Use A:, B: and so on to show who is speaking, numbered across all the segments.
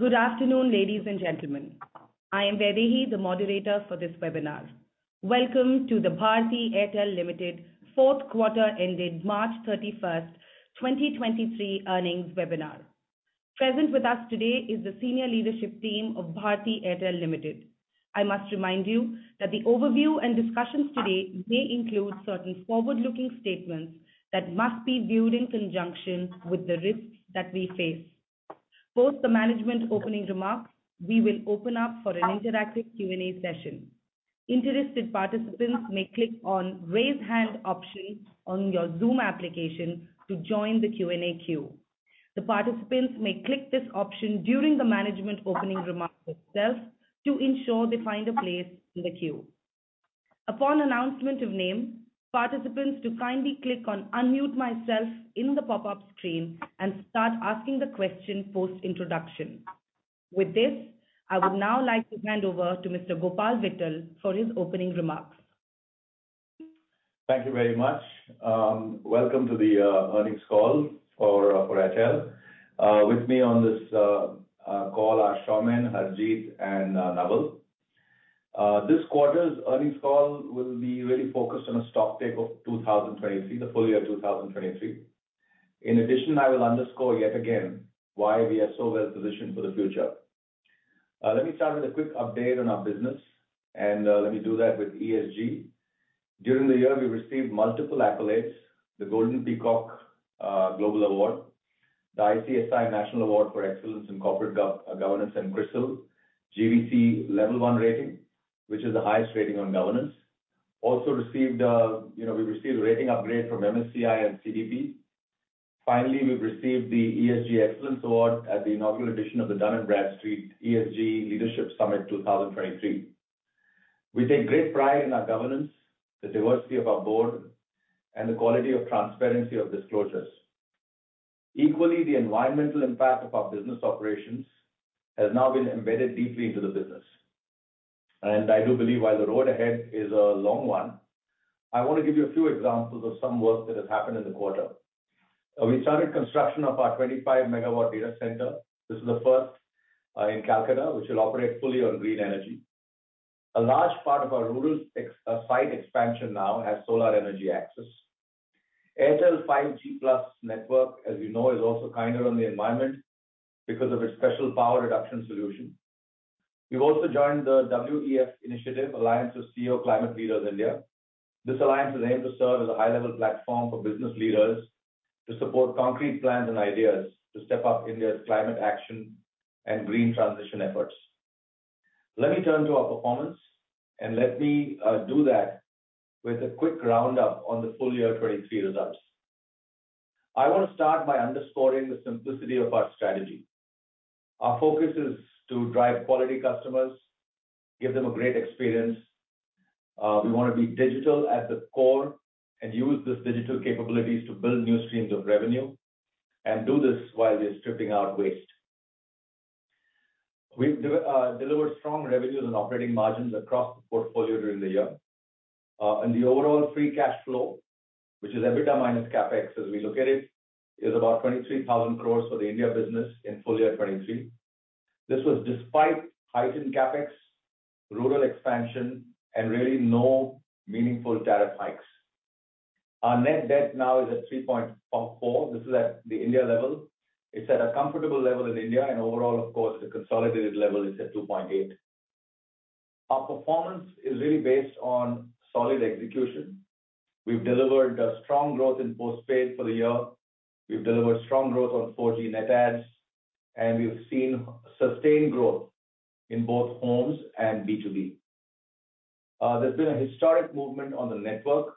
A: Good afternoon, ladies and gentlemen. I am Vaidehi, the moderator for this webinar. Welcome to the Bharti Airtel Limited fourth quarter ended March 31st, 2023 earnings webinar. Present with us today is the senior leadership team of Bharti Airtel Limited. I must remind you that the overview and discussions today may include certain forward-looking statements that must be viewed in conjunction with the risks that we face. Post the management opening remarks, we will open up for an interactive Q&A session. Interested participants may click on Raise Hand option on your Zoom application to join the Q&A queue. The participants may click this option during the management opening remarks itself to ensure they find a place in the queue. Upon announcement of name, participants to kindly click on Unmute Myself in the pop-up screen and start asking the question post-introduction. With this, I would now like to hand over to Mr. Gopal Vittal for his opening remarks.
B: Thank you very much. Welcome to the earnings call for Airtel. With me on this call are Soumen, Harjeet and Naval. This quarter's earnings call will be really focused on a stock take of 2023, the full year 2023. In addition, I will underscore yet again why we are so well-positioned for the future. Let me start with a quick update on our business, and let me do that with ESG. During the year, we received multiple accolades, the Golden Peacock Global Award, the ICSI National Award for Excellence in Corporate Governance, and Crisil GVC Level 1 rating, which is the highest rating on governance. Also received, you know, we received a rating upgrade from MSCI and CDP. Finally, we've received the ESG Excellence Award at the inaugural edition of the Dun & Bradstreet ESG Leadership Summit 2023. We take great pride in our governance, the diversity of our board, and the quality of transparency of disclosures. Equally, the environmental impact of our business operations has now been embedded deeply into the business. I do believe while the road ahead is a long one, I want to give you a few examples of some work that has happened in the quarter. We started construction of our 25 MW data center. This is the first in Calcutta, which will operate fully on green energy. A large part of our rural ex- site expansion now has solar energy access. Airtel 5G Plus network, as you know, is also kinder on the environment because of its special power reduction solution. We've also joined the WEF Initiative Alliance of CEO Climate Leaders India. This alliance is aimed to serve as a high-level platform for business leaders to support concrete plans and ideas to step up India's climate action and green transition efforts. Let me turn to our performance. Let me do that with a quick roundup on the full year 23 results. I want to start by underscoring the simplicity of our strategy. Our focus is to drive quality customers, give them a great experience. We wanna be digital at the core and use this digital capabilities to build new streams of revenue, and do this while we're stripping out waste. We've delivered strong revenues and operating margins across the portfolio during the year. The overall free cash flow, which is EBITDA minus CapEx, as we look at it, is about 23,000 crores for the India business in full year 2023. This was despite heightened CapEx, rural expansion, and really no meaningful tariff hikes. Our net debt now is at 3.4. This is at the India level. It's at a comfortable level in India, and overall, of course, the consolidated level is at 2.8. Our performance is really based on solid execution. We've delivered a strong growth in postpaid for the year. We've delivered strong growth on 4G net adds, and we've seen sustained growth in both homes and B2B. There's been a historic movement on the network.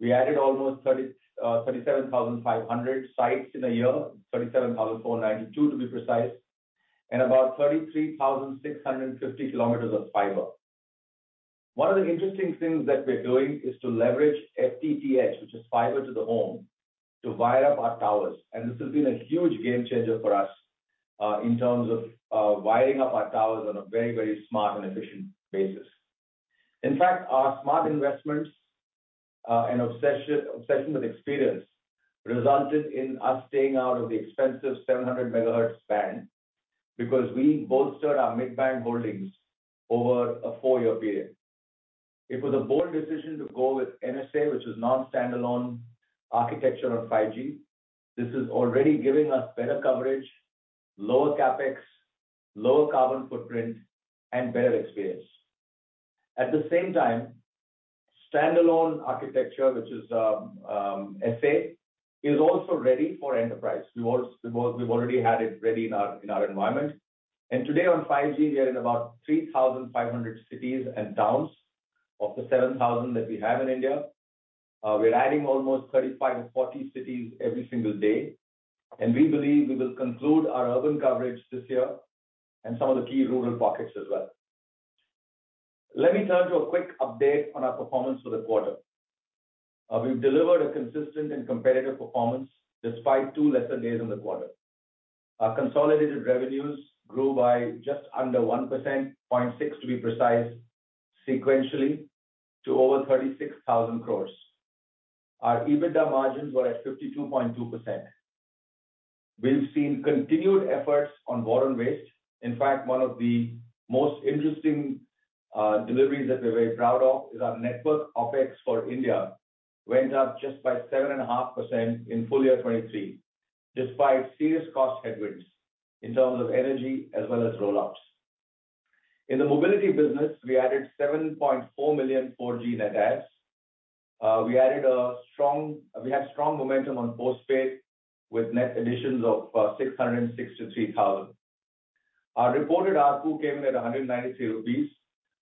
B: We added almost 37,500 sites in a year, 37,492 to be precise, and about 33,650 km of fiber. One of the interesting things that we're doing is to leverage FTTH, which is fiber to the home, to wire up our towers. This has been a huge game changer for us, in terms of wiring up our towers on a very, very smart and efficient basis. In fact, our smart investments and obsession with experience resulted in us staying out of the expensive 700 MHz band because we bolstered our mid-band holdings over a four-year period. It was a bold decision to go with NSA, which is non-standalone architecture on 5G. This is already giving us better coverage, lower CapEx, lower carbon footprint, and better experience. At the same time, standalone architecture, which is SA, is also ready for enterprise. We've already had it ready in our environment. Today on 5G, we are in about 3,500 cities and towns of the 7,000 that we have in India. We're adding almost 35-40 cities every single day. We believe we will conclude our urban coverage this year in some of the key rural pockets as well. Let me turn to a quick update on our performance for the quarter. We've delivered a consistent and competitive performance despite two lesser days in the quarter. Our consolidated revenues grew by just under 1%, 0.6 to be precise, sequentially to over 36,000 crores. Our EBITDA margins were at 52.2%. We've seen continued efforts on bottom waste. In fact, one of the most interesting deliveries that we're very proud of is our network OpEx for India went up just by 7.5% in full year 2023, despite serious cost headwinds in terms of energy as well as rollouts. In the mobility business, we added 7.4 million 4G net adds. We had strong momentum on postpaid with net additions of 663,000. Our reported ARPU came in at 193 rupees.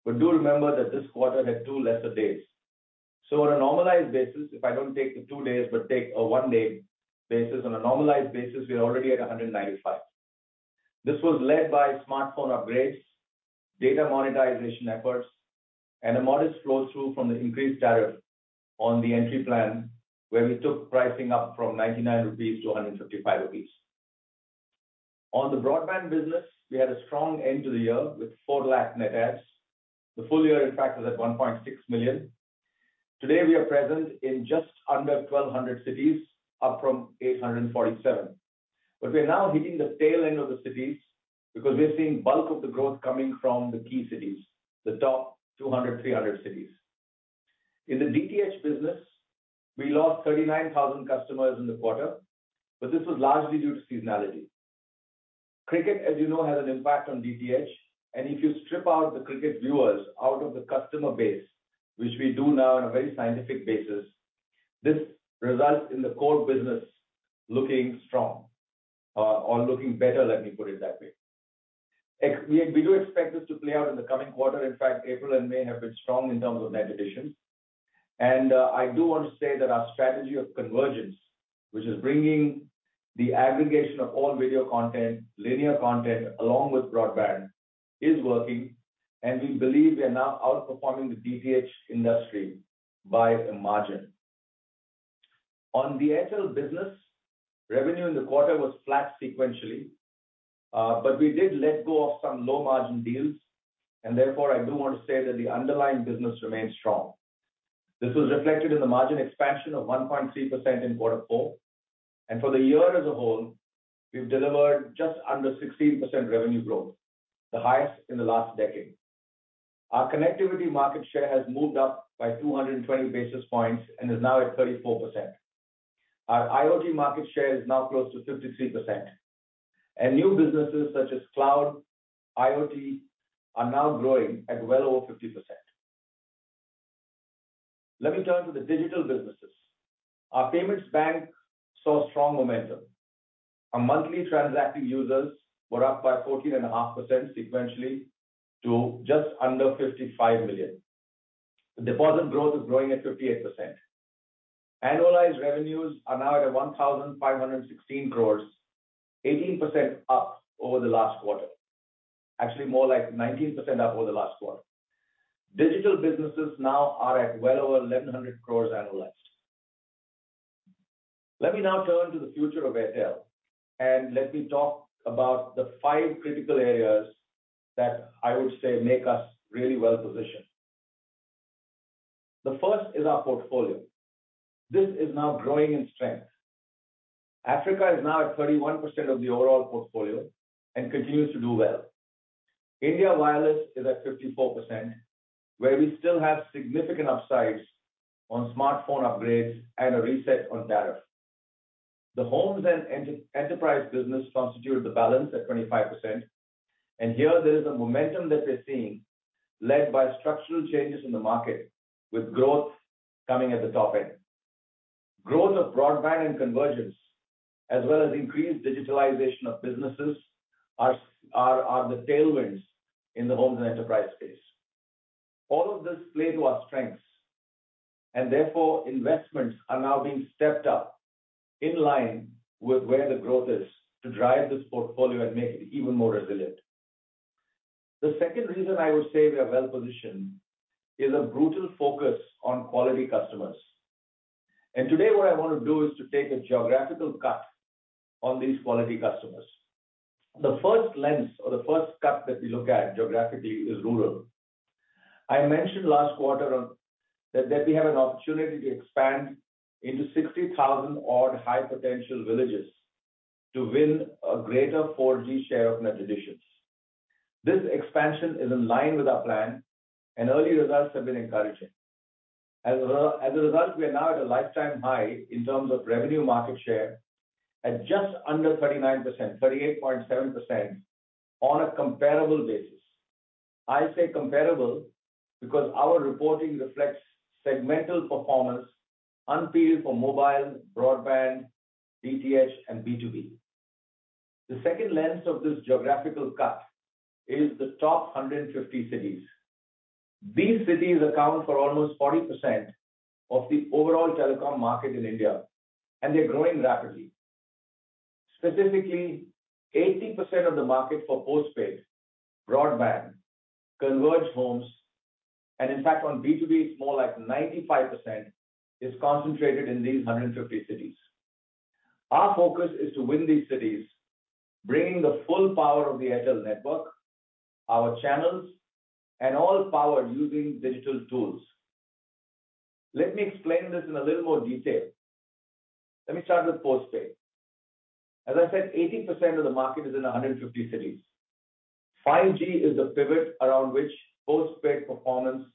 B: Do remember that this quarter had two lesser days. On a normalized basis, if I don't take the two days, but take a one-day basis, on a normalized basis, we are already at 195. This was led by smartphone upgrades, data monetization efforts, and a modest flow-through from the increased tariff on the entry plan, where we took pricing up from INR99-INR155. On the broadband business, we had a strong end to the year with 4 lakh net adds. The full year, in fact, was at 1.6 million. Today, we are present in just under 1,200 cities, up from 847. We're now hitting the tail end of the cities because we're seeing bulk of the growth coming from the key cities, the top 200, 300 cities. In the DTH business, we lost 39,000 customers in the quarter, but this was largely due to seasonality. Cricket, as you know, has an impact on DTH. If you strip out the cricket viewers out of the customer base, which we do now on a very scientific basis, this results in the core business looking strong, or looking better, let me put it that way. We do expect this to play out in the coming quarter. April and May have been strong in terms of net additions. I do want to say that our strategy of convergence, which is bringing the aggregation of all video content, linear content, along with broadband, is working, and we believe we are now outperforming the DTH industry by a margin. On the Airtel Business, revenue in the quarter was flat sequentially, but we did let go of some low-margin deals. Therefore, I do want to say that the underlying business remains strong. This was reflected in the margin expansion of 1.3% in Q4. For the year as a whole, we've delivered just under 16% revenue growth, the highest in the last decade. Our connectivity market share has moved up by 220 basis points and is now at 34%. Our IoT market share is now close to 53%. New businesses such as cloud, IoT are now growing at well over 50%. Let me turn to the digital businesses. Our payments bank saw strong momentum. Our monthly transacting users were up by 14.5% sequentially to just under 55 million. The deposit growth is growing at 58%. Annualized revenues are now at 1,516 crores, 18% up over the last quarter. Actually, more like 19% up over the last quarter. Digital businesses now are at well over 1,100 crores annualized. Let me now turn to the future of Airtel. Let me talk about the five critical areas that I would say make us really well-positioned. The first is our portfolio. This is now growing in strength. Africa is now at 31% of the overall portfolio and continues to do well. India wireless is at 54%, where we still have significant upsides on smartphone upgrades and a reset on tariff. The homes and enterprise business constitute the balance at 25%. Here there is a momentum that we're seeing led by structural changes in the market with growth coming at the top end. Growth of broadband and convergence, as well as increased digitalization of businesses are the tailwinds in the homes and enterprise space. All of this play to our strengths, therefore investments are now being stepped up in line with where the growth is to drive this portfolio and make it even more resilient. The second reason I would say we are well-positioned is a brutal focus on quality customers. Today what I want to do is to take a geographical cut on these quality customers. The first lens or the first cut that we look at geographically is rural. I mentioned last quarter on that we have an opportunity to expand into 60,000-odd high-potential villages to win a greater 4G share of net additions. This expansion is in line with our plan, and early results have been encouraging. As a result, we are now at a lifetime high in terms of revenue market share at just under 39%, 38.7% on a comparable basis. I say comparable because our reporting reflects segmental performance unpeeled for mobile, broadband, DTH, and B2B. The second lens of this geographical cut is the top 150 cities. These cities account for almost 40% of the overall telecom market in India, and they're growing rapidly. Specifically, 80% of the market for postpaid, broadband, converged homes, and in fact, on B2B, it's more like 95%, is concentrated in these 150 cities. Our focus is to win these cities, bringing the full power of the Airtel network, our channels, and all power using digital tools. Let me explain this in a little more detail. Let me start with postpaid. As I said, 80% of the market is in a 150 cities. 5G is the pivot around which postpaid performance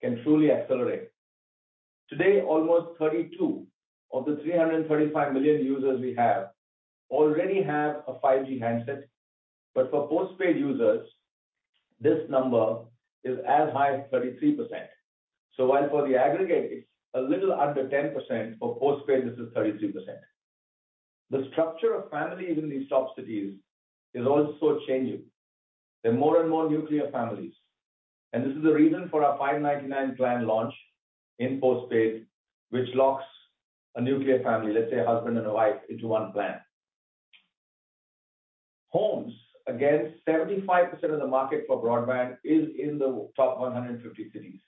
B: can truly accelerate. Today, almost 32 of the 335 million users we have already have a 5G handset. For postpaid users, this number is as high as 33%. While for the aggregate it's a little under 10%, for postpaid this is 33%. The structure of families in these top cities is also changing. There are more and more nuclear families, and this is the reason for our 599 plan launch in postpaid, which locks a nuclear family, let's say a husband and a wife, into one plan. Homes. Again, 75% of the market for broadband is in the top 150 cities.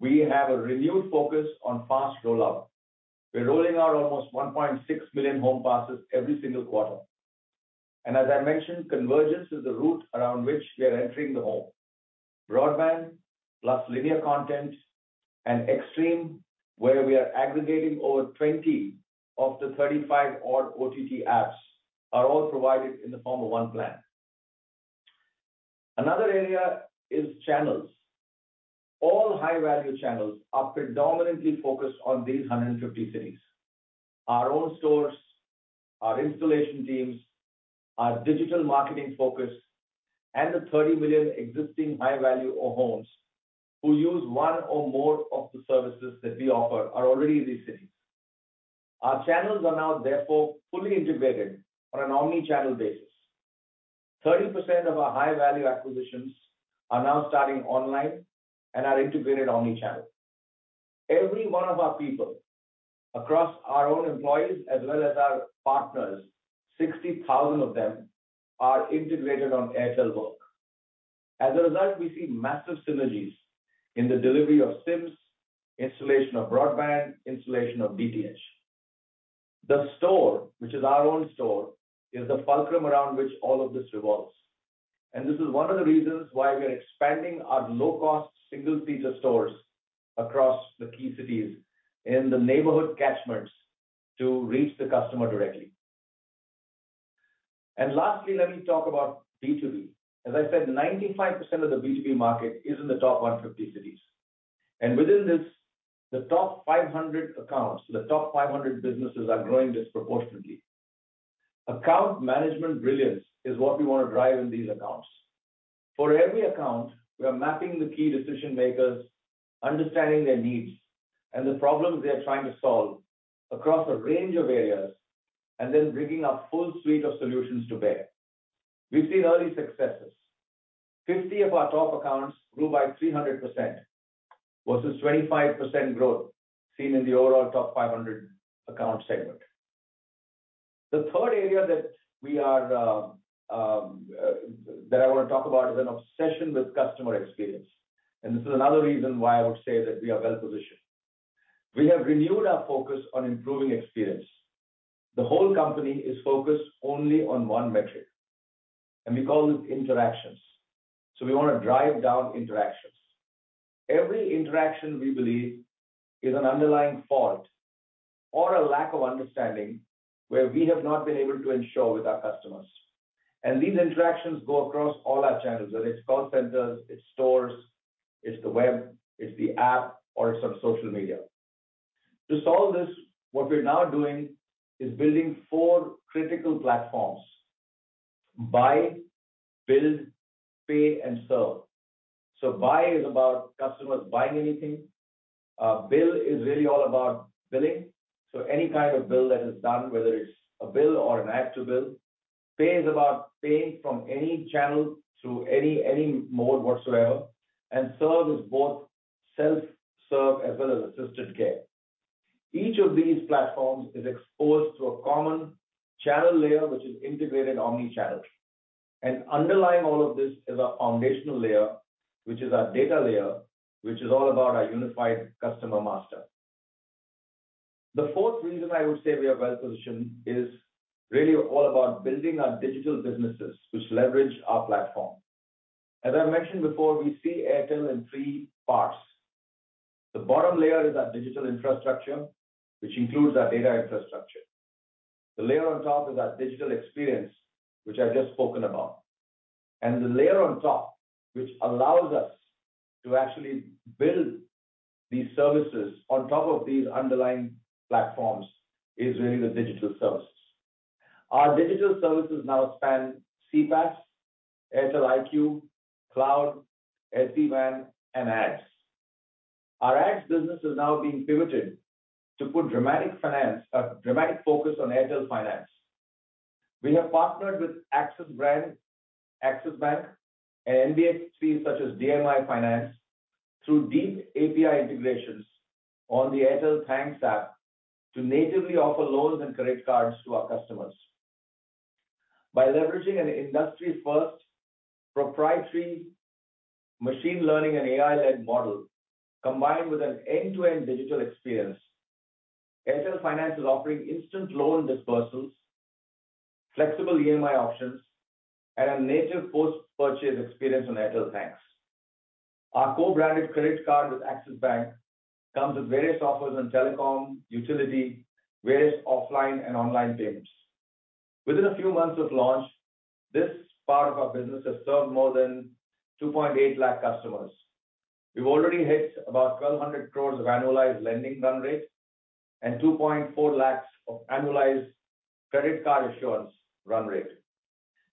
B: We have a renewed focus on fast rollout. We're rolling out almost 1.6 million home passes every single quarter. As I mentioned, convergence is the route around which we are entering the home. Broadband plus linear content and Xstream, where we are aggregating over 20 of the 35 odd OTT apps, are all provided in the form of one plan. Another area is channels. All high-value channels are predominantly focused on these 150 cities. Our own stores, our installation teams, our digital marketing focus, and the 30 million existing high-value or homes who use 1 or more of the services that we offer are already in these cities. Our channels are now therefore fully integrated on an omnichannel basis. 30% of our high-value acquisitions are now starting online and are integrated omnichannel. Every 1 of our people across our own employees as well as our partners, 60,000 of them, are integrated on Airtel Work. As a result, we see massive synergies in the delivery of SIMs, installation of broadband, installation of DTH. The store, which is our own store, is the fulcrum around which all of this revolves. This is one of the reasons why we are expanding our low-cost single-seater stores across the key cities in the neighborhood catchments to reach the customer directly. Lastly, let me talk about B2B. As I said, 95% of the B2B market is in the top 150 cities. Within this, the top 500 accounts, the top 500 businesses are growing disproportionately. Account management brilliance is what we want to drive in these accounts. For every account, we are mapping the key decision-makers, understanding their needs and the problems they are trying to solve across a range of areas, and then bringing our full suite of solutions to bear. We've seen early successes. 50 of our top accounts grew by 300% versus 25% growth seen in the overall top 500 account segment. The third area that we are that I want to talk about is an obsession with customer experience. This is another reason why I would say that we are well-positioned. We have renewed our focus on improving experience. The whole company is focused only on one metric, and we call this interactions. We want to drive down interactions. Every interaction, we believe, is an underlying fault or a lack of understanding where we have not been able to ensure with our customers. These interactions go across all our channels, whether it's call centers, it's stores, it's the web, it's the app, or it's on social media. To solve this, what we're now doing is building four critical platforms: buy, build, pay, and serve. Buy is about customers buying anything. build is really all about billing, so any kind of bill that is done, whether it's a bill or an add to bill. Pay is about paying from any channel through any mode whatsoever. Serve is both self-serve as well as assisted care. Each of these platforms is exposed to a common channel layer, which is integrated omnichannel. Underlying all of this is our foundational layer, which is our data layer, which is all about our unified customer master. The fourth reason I would say we are well-positioned is really all about building our digital businesses, which leverage our platform. As I mentioned before, we see Airtel in three parts. The bottom layer is our digital infrastructure, which includes our data infrastructure. The layer on top is our digital experience, which I've just spoken about. The layer on top, which allows us to actually build these services on top of these underlying platforms, is really the digital services. Our digital services now span CPaaS, Airtel IQ, Cloud, SD-WAN, and Ads. Our Ads business is now being pivoted to put dramatic focus on Airtel Finance. We have partnered with Axis Bank and NBFCs such as DMI Finance through deep API integrations on the Airtel Thanks App to natively offer loans and credit cards to our customers. By leveraging an industry-first proprietary machine learning and AI-led model, combined with an end-to-end digital experience, Airtel Finance is offering instant loan disbursements, flexible EMI options, and a native post-purchase experience on Airtel Thanks. Our co-branded credit card with Axis Bank comes with various offers on telecom, utility, various offline and online payments. Within a few months of launch, this part of our business has served more than 2.8 lakh customers. We've already hit about 1,200 crores of annualized lending run rate and 2.4 lakh of annualized credit card issuance run rate.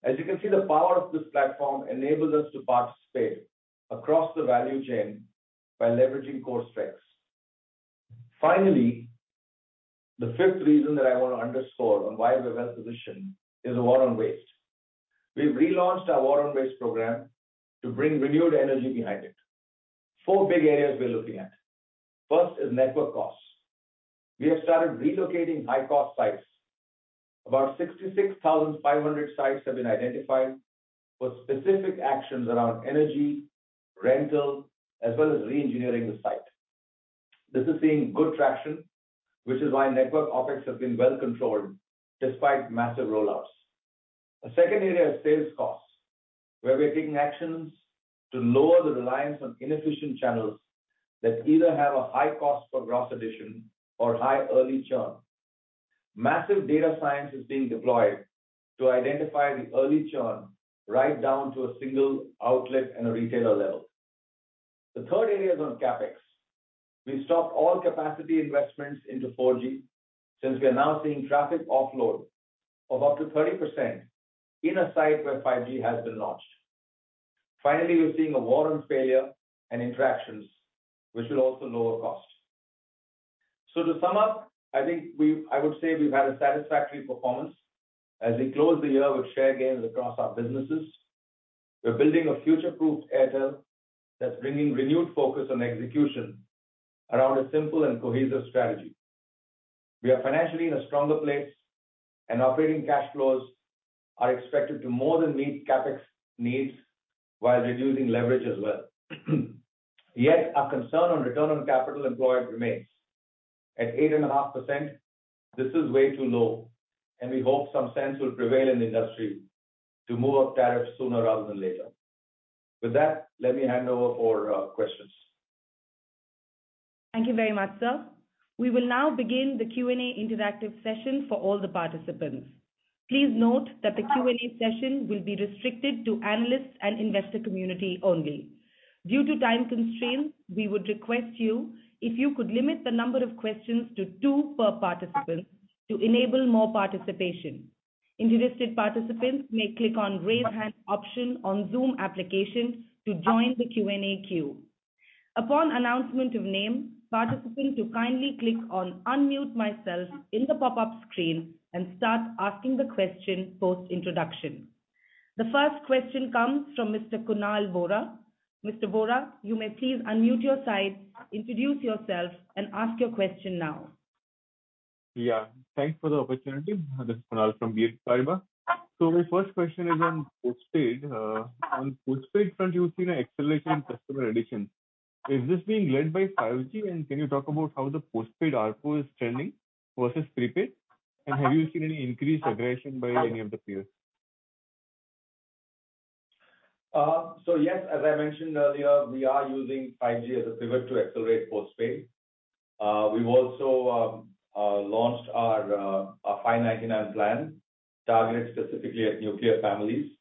B: As you can see, the power of this platform enables us to participate across the value chain by leveraging core strengths. Finally, the fifth reason that I want to underscore on why we're well-positioned is the war on waste. We've relaunched our war on waste program to bring renewed energy behind it. Four big areas we're looking at. First is network costs. We have started relocating high-cost sites. About 66,500 sites have been identified for specific actions around energy, rental, as well as re-engineering the site. This is seeing good traction, which is why network OpEx has been well controlled despite massive rollouts. The second area is sales costs, where we are taking actions to lower the reliance on inefficient channels that either have a high cost per gross addition or high early churn. Massive data science is being deployed to identify the early churn right down to a single outlet and a retailer level. The third area is on CapEx. We stopped all capacity investments into 4G since we are now seeing traffic offload of up to 30% in a site where 5G has been launched. Finally, we're seeing a war on failure and interactions, which will also lower costs. To sum up, I think we've... I would say we've had a satisfactory performance as we close the year with share gains across our businesses. We're building a future-proof Airtel that's bringing renewed focus on execution around a simple and cohesive strategy. We are financially in a stronger place. Operating cash flows are expected to more than meet CapEx needs while reducing leverage as well. Yet, our concern on return on capital employed remains. At 8.5%, this is way too low. We hope some sense will prevail in the industry to move up tariffs sooner rather than later. With that, let me hand over for questions.
A: Thank you very much, sir. We will now begin the Q&A interactive session for all the participants. Please note that the Q&A session will be restricted to analysts and investor community only. Due to time constraints, we would request you if you could limit the number of questions to two per participant to enable more participation. Interested participants may click on raise hand option on Zoom application to join the Q&A queue. Upon announcement of name, participants to kindly click on unmute myself in the pop-up screen and start asking the question post-introduction. The first question comes from Mr. Kunal Vora. Mr. Vora, you may please unmute your side, introduce yourself, and ask your question now.
C: Yeah, thanks for the opportunity. This is Kunal from BNP Paribas. My first question is on postpaid. On postpaid front, you've seen an acceleration in customer addition. Is this being led by 5G, and can you talk about how the postpaid ARPU is trending versus prepaid? Have you seen any increased aggression by any of the peers?
B: Yes, as I mentioned earlier, we are using 5G as a pivot to accelerate postpaid. We've also launched our 599 plan targeted specifically at nuclear families.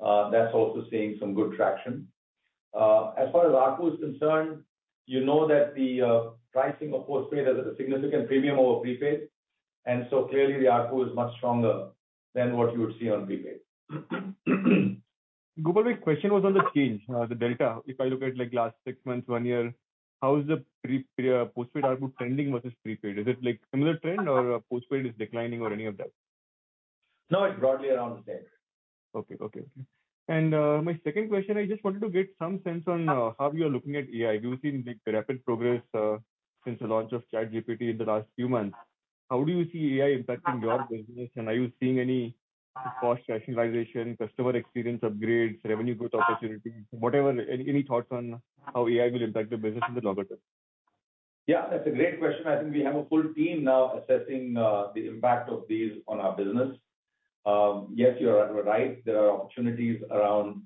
B: That's also seeing some good traction. As far as ARPU is concerned, you know that the pricing of postpaid has a significant premium over prepaid, clearly the ARPU is much stronger than what you would see on prepaid.
C: Gopal, my question was on the change, the delta. If I look at, like, last six months, one year, how is the postpaid ARPU trending versus prepaid? Is it, like, similar trend or postpaid is declining or any of that?
B: No, it's broadly around the same.
C: Okay. Okay. My second question, I just wanted to get some sense on how you are looking at AI. We've seen big, rapid progress since the launch of ChatGPT in the last few months. How do you see AI impacting your business, and are you seeing any cost rationalization, customer experience upgrades, revenue growth opportunities? Whatever, any thoughts on how AI will impact your business in the longer term?
B: Yeah, that's a great question. I think we have a full team now assessing the impact of these on our business. Yes, you are right. There are opportunities around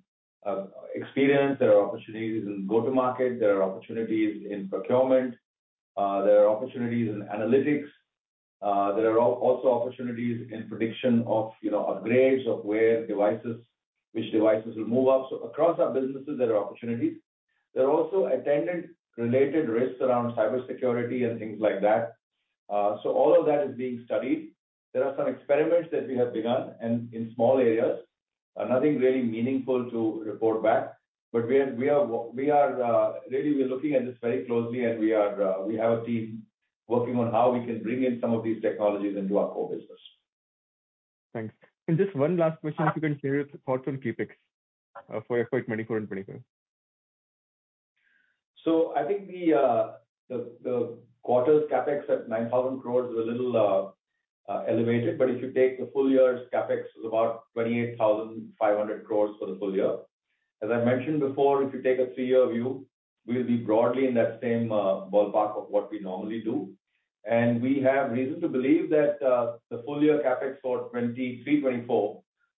B: experience. There are opportunities in go-to-market. There are opportunities in procurement. There are opportunities in analytics. There are also opportunities in prediction of, you know, upgrades of where devices, which devices will move up. Across our businesses, there are opportunities. There are also attendant related risks around cybersecurity and things like that. All of that is being studied. There are some experiments that we have begun and in small areas. Nothing really meaningful to report back, but we are really looking at this very closely and we are, we have a team working on how we can bring in some of these technologies into our core business.
C: Thanks. Just one last question, if you can share your thoughts on CapEx for FY 2024 and 2025?
B: I think the quarter's CapEx at 9,000 crores is a little elevated, but if you take the full year's CapEx is about 28,500 crores for the full year. As I mentioned before, if you take a three-year view, we'll be broadly in that same ballpark of what we normally do. We have reason to believe that the full year CapEx for 2023-2024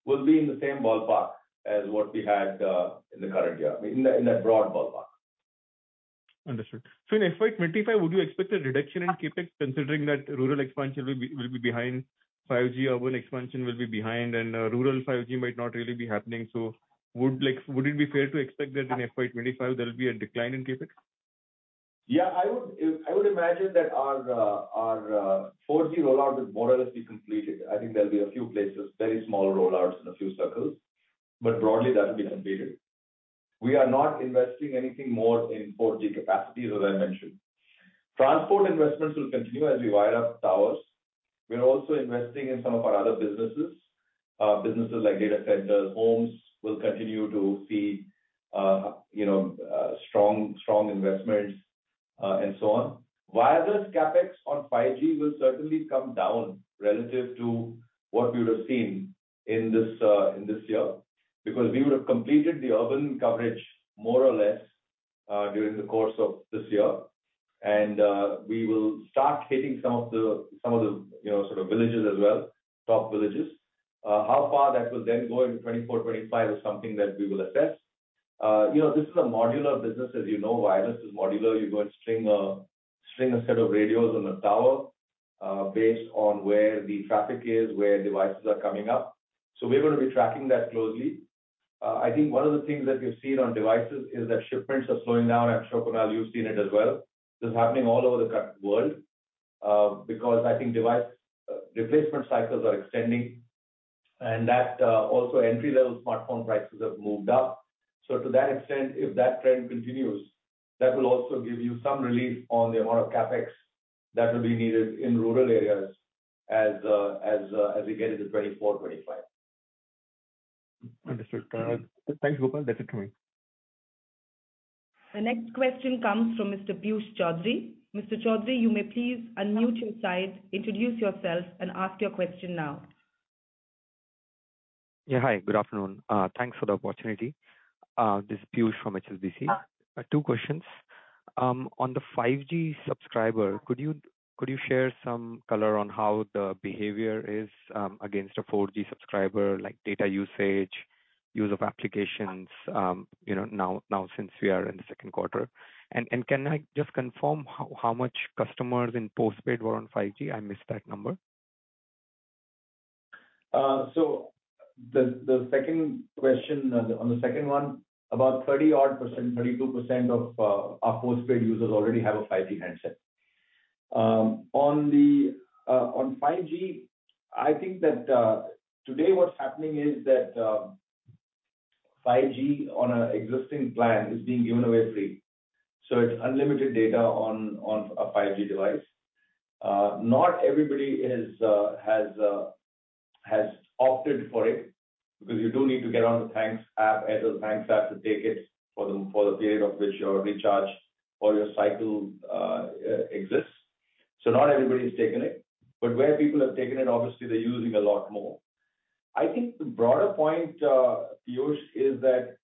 B: will be in the same ballpark as what we had in the current year. In that broad ballpark.
C: Understood. In FY 25, would you expect a reduction in CapEx considering that rural expansion will be behind, 5G urban expansion will be behind, and rural 5G might not really be happening. Would it be fair to expect that in FY 25 there will be a decline in CapEx?
B: I would imagine that our 4G rollout is more or less be completed. I think there'll be a few places, very small rollouts in a few circles, broadly that will be completed. We are not investing anything more in 4G capacity, as I mentioned. Transport investments will continue as we wire up towers. We are also investing in some of our other businesses. Businesses like data centers, homes will continue to see, you know, strong investments, and so on. Wireless CapEx on 5G will certainly come down relative to what we would have seen in this year. We would have completed the urban coverage more or less during the course of this year. We will start hitting some of the, you know, sort of villages as well, top villages. How far that will then go into 2024, 2025 is something that we will assess. You know, this is a modular business, as you know. Wireless is modular. You go and string a set of radios on a tower, based on where the traffic is, where devices are coming up. We will be tracking that closely. I think one of the things that we've seen on devices is that shipments are slowing down. I'm sure, Kunal, you've seen it as well. This is happening all over the current world, because I think device replacement cycles are extending and that also entry-level smartphone prices have moved up. To that extent, if that trend continues, that will also give you some relief on the amount of CapEx that will be needed in rural areas as we get into 2024, 2025.
C: Understood. Thanks, Gopal. That's it from me.
A: The next question comes from Mr. Piyush Choudhary. Mr. Choudhary, you may please unmute your side, introduce yourself, and ask your question now.
D: Yeah. Hi, good afternoon. Thanks for the opportunity. This is Piyush from HSBC. Two questions. On the 5G subscriber, could you share some color on how the behavior is against a 4G subscriber, like data usage, use of applications, you know, now since we are in the second quarter? Can I just confirm how much customers in postpaid were on 5G? I missed that number.
B: The second question, on the second one, about 30 odd %, 32% of our postpaid users already have a 5G handset. On 5G, I think that today what's happening is that 5G on a existing plan is being given away free. It's unlimited data on a 5G device. Not everybody has opted for it because you do need to get on the Thanks app, Airtel Thanks App, to take it for the period of which your recharge or your cycle exists. Not everybody's taken it, but where people have taken it, obviously they're using a lot more. I think the broader point, Piyush, is that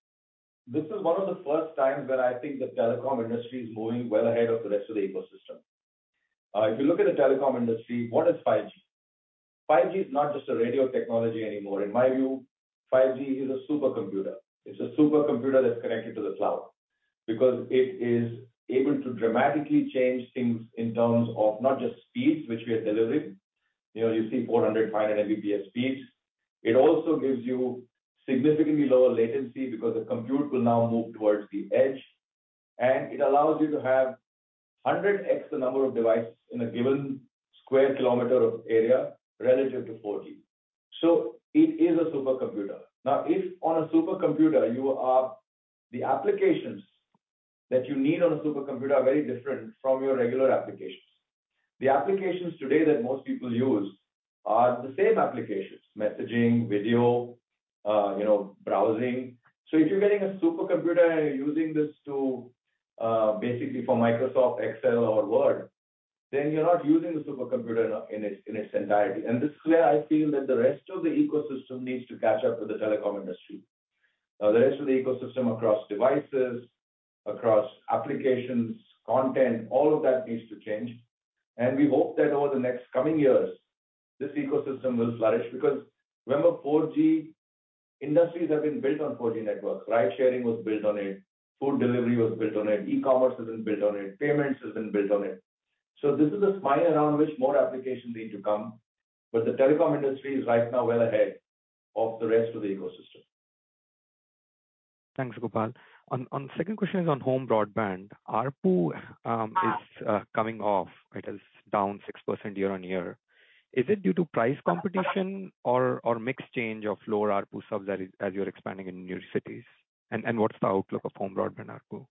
B: this is one of the first times that I think the telecom industry is moving well ahead of the rest of the ecosystem. If you look at the telecom industry, what is 5G? 5G is not just a radio technology anymore. In my view, 5G is a supercomputer. It's a supercomputer that's connected to the cloud. Because it is able to dramatically change things in terms of not just speeds, which we are delivering. You know, you see 400, 500 Mbps speeds. It also gives you significantly lower latency because the compute will now move towards the edge, and it allows you to have 100x the number of devices in a given square kilometer of area relative to 4G. It is a supercomputer. Now, if on a supercomputer you are... The applications that you need on a supercomputer are very different from your regular applications. The applications today that most people use are the same applications: messaging, video, you know, browsing. If you're getting a supercomputer and you're using this to, basically for Microsoft Excel or Word, then you're not using the supercomputer in its, in its entirety. This is where I feel that the rest of the ecosystem needs to catch up with the telecom industry. The rest of the ecosystem across devices, across applications, content, all of that needs to change. We hope that over the next coming years, this ecosystem will flourish because remember 4G, industries have been built on 4G networks. Ride-sharing was built on it, food delivery was built on it, e-commerce has been built on it, payments has been built on it. This is a smile around which more applications need to come, but the telecom industry is right now well ahead of the rest of the ecosystem.
D: Thanks, Gopal. On second question is on home broadband. ARPU is coming off. It is down 6% year-on-year. Is it due to price competition or mix change of lower ARPU subs that is, as you're expanding in new cities? What's the outlook of home broadband ARPU?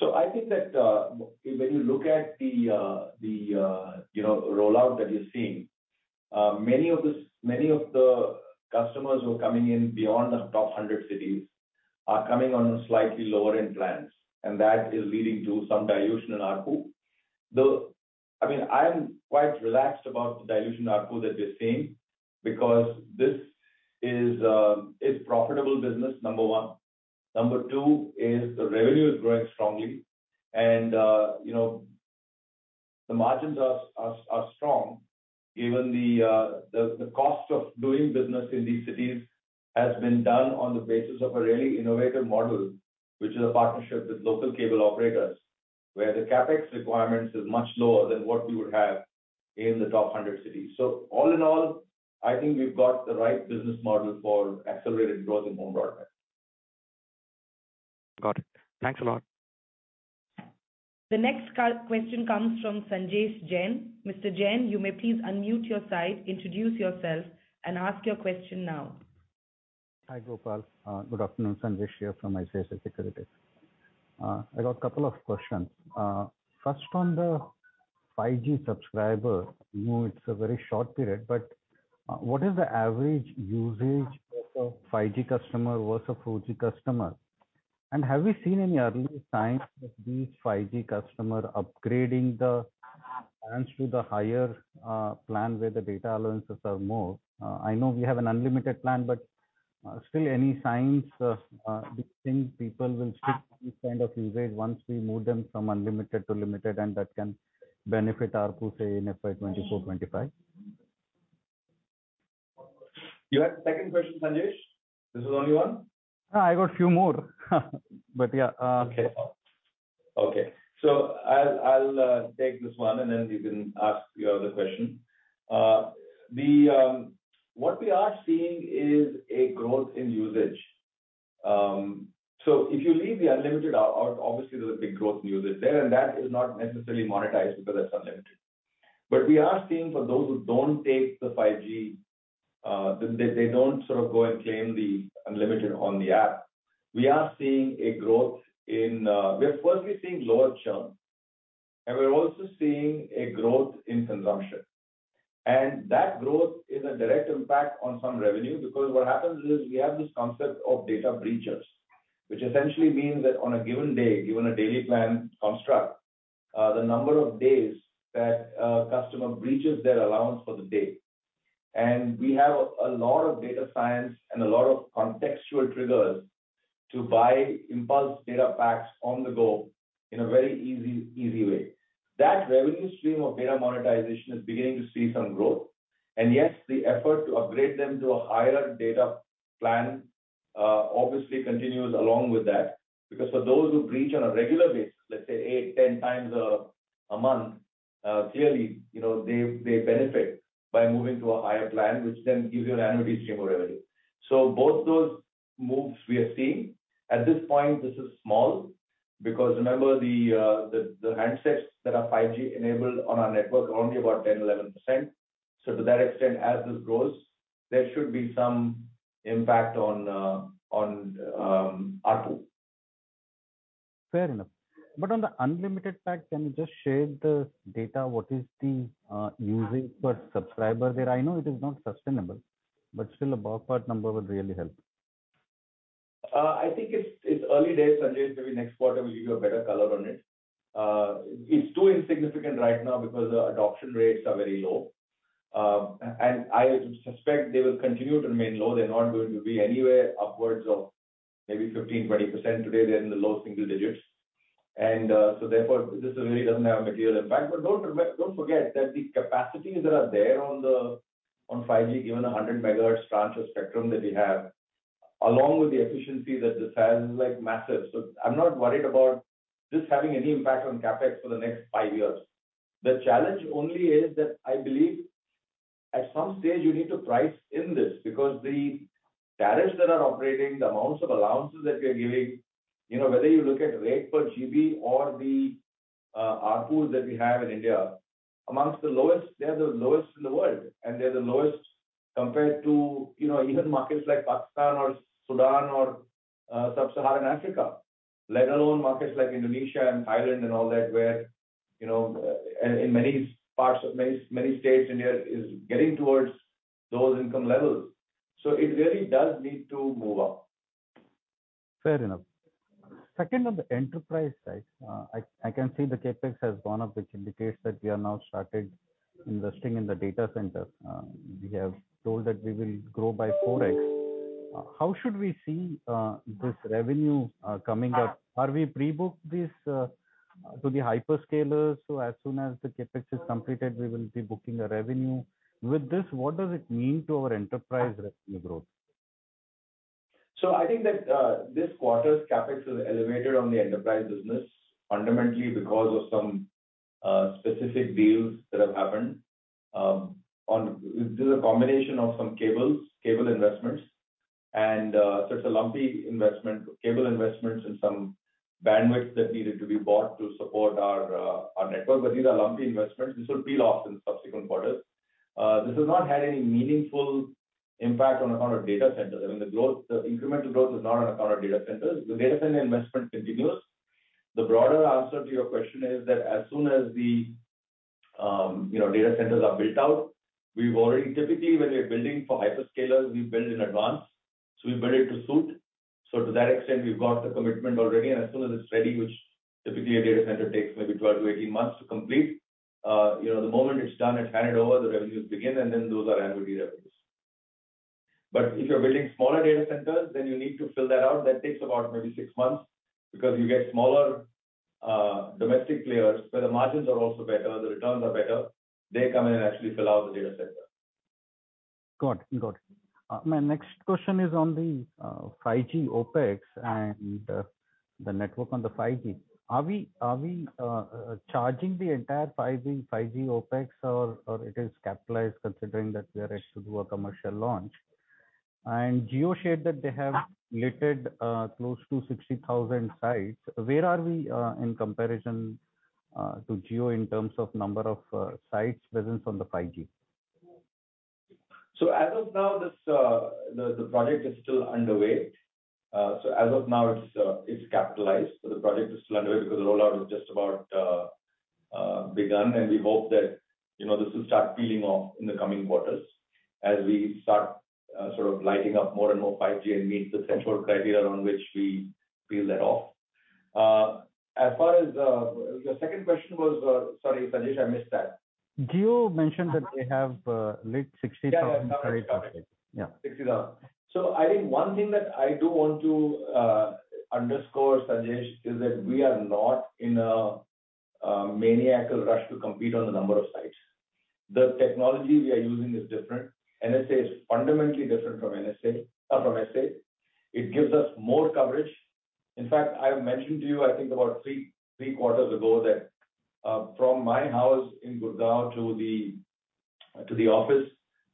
B: I think that when you look at the, you know, rollout that you're seeing, many of the customers who are coming in beyond the top 100 cities are coming on slightly lower-end plans, and that is leading to some dilution in ARPU. I mean, I'm quite relaxed about the dilution ARPU that we're seeing because this is profitable business, number one. Number two is the revenue is growing strongly and, you know, the margins are strong. Even the cost of doing business in these cities has been done on the basis of a really innovative model, which is a partnership with local cable operators, where the CapEx requirements is much lower than what we would have in the top 100 cities. All in all, I think we've got the right business model for accelerated growth in home broadband.
D: Got it. Thanks a lot.
A: The next question comes from Sanjesh Jain. Mr. Jain, you may please unmute your side, introduce yourself and ask your question now.
E: Hi, Gopal. Good afternoon. Sanjesh here from ICICI Securities. I got couple of questions. First, on the 5G subscriber, I know it's a very short period, but what is the average usage of a 5G customer versus a 4G customer? Have we seen any early signs of these 5G customer upgrading the plans to the higher plan where the data allowances are more? I know we have an unlimited plan, but still any signs between people will stick to this kind of usage once we move them from unlimited to limited, and that can benefit ARPU, say, in FY 2024, 2025?
B: You had a second question, Sanjesh? This is only one?
E: I got few more. Yeah.
B: Okay. Okay. I'll take this one, and then you can ask your other question. The what we are seeing is a growth in usage. If you leave the unlimited, obviously there's a big growth in usage there, and that is not necessarily monetized because it's unlimited. We are seeing for those who don't take the 5G, they don't sort of go and claim the unlimited on the app. We are seeing a growth in. We're firstly seeing lower churn, and we're also seeing a growth in consumption. That growth is a direct impact on some revenue because what happens is we have this concept of data breachers, which essentially means that on a given day, given a daily plan construct, the number of days that a customer breaches their allowance for the day. We have a lot of data science and a lot of contextual triggers to buy impulse data packs on the go in a very easy way. That revenue stream of data monetization is beginning to see some growth, and yes, the effort to upgrade them to a higher data plan, obviously continues along with that. Because for those who breach on a regular basis, let's say eight, 10 times a month, clearly, you know, they benefit by moving to a higher plan, which then gives you an annuity stream of revenue. So both those moves we are seeing. At this point, this is small because remember the handsets that are 5G enabled on our network are only about 10%, 11%. So to that extent, as this grows, there should be some impact on ARPU.
E: Fair enough. On the unlimited pack, can you just share the data, what is the usage per subscriber there? I know it is not sustainable, but still a ballpark number would really help.
B: I think it's early days, Sanjesh. Maybe next quarter we'll give you a better color on it. It's too insignificant right now because the adoption rates are very low. I suspect they will continue to remain low. They're not going to be anywhere upwards of maybe 15%-20%. Today they're in the low single digits. Therefore, this really doesn't have a material impact. Don't forget that the capacities that are there on the, on 5G, given a 100 MHz tranche of spectrum that we have, along with the efficiency that this has, is like massive. I'm not worried about this having any impact on CapEx for the next five years. The challenge only is that I believe at some stage you need to price in this, because the tariffs that are operating, the amounts of allowances that we are giving, you know, whether you look at rate per GB or the ARPUs that we have in India, they are the lowest in the world, and they're the lowest compared to, you know, even markets like Pakistan or Sudan or Sub-Saharan Africa, let alone markets like Indonesia and Thailand and all that, where, you know, in many parts, many states, India is getting towards those income levels. It really does need to move up.
E: Fair enough. Second, on the enterprise side, I can see the CapEx has gone up, which indicates that we are now started investing in the data center. We have told that we will grow by 4x. How should we see this revenue coming up? Are we pre-booked this to the hyperscalers, so as soon as the CapEx is completed, we will be booking the revenue? With this, what does it mean to our enterprise revenue growth?
B: I think that this quarter's CapEx is elevated on the enterprise business fundamentally because of some specific deals that have happened. This is a combination of some cables, cable investments and it's a lumpy investment, cable investments and some bandwidth that needed to be bought to support our network. These are lumpy investments. This will be lost in subsequent quarters. This has not had any meaningful impact on account of Data Centers. I mean, the growth, the incremental growth is not on account of Data Centers. The Data Center investment continues. The broader answer to your question is that as soon as the, you know, Data Centers are built out, Typically, when we are building for hyperscalers, we build in advance, we build it to suit. To that extent, we've got the commitment already, and as soon as it's ready, which typically a data center takes maybe 12 to 18 months to complete, you know, the moment it's done and handed over, the revenues begin, and then those are annuity revenues. If you're building smaller data centers, then you need to fill that out. That takes about maybe six months because you get smaller, domestic players, where the margins are also better, the returns are better. They come in and actually fill out the data center.
E: Got it. Got it. My next question is on the 5G OpEx and the network on the 5G. Are we charging the entire 5G OpEx or it is capitalized considering that we are ready to do a commercial launch? Jio shared that they have lit close to 60,000 sites. Where are we in comparison to Jio in terms of number of sites presence on the 5G?
B: As of now, this project is still underway. As of now it's capitalized. The project is still underway because the rollout has just about begun, and we hope that, you know, this will start peeling off in the coming quarters as we start sort of lighting up more and more 5G and meet the central criteria on which we peel that off. As far as your second question was, sorry, Sanjesh, I missed that.
E: Jio mentioned that they have lit 60,000 sites.
B: Yeah, yeah. Got it. Got it.
E: Yeah.
B: 60,000. I think one thing that I do want to underscore, Sanjesh, is that we are not in a maniacal rush to compete on the number of sites. The technology we are using is different. NSA is fundamentally different from NSA, from SA. It gives us more coverage. In fact, I mentioned to you, I think about three quarters ago that from my house in Gurgaon to the office,